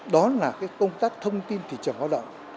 đó là công tác thông tin thị trường lao động